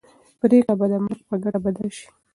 پرېکړه به د مرګ په ګټه بدله شي.